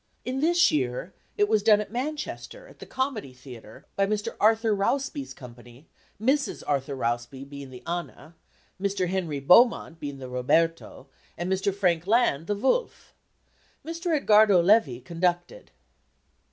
In this year it was done at Manchester, at the Comedy Theatre, by Mr. Arthur Rousby's company, Mrs. Arthur Rousby being the Anna, Mr. Henry Beaumont the Roberto, and Mr. Frank Land the Wulf. Mr. Edgardo Levi conducted.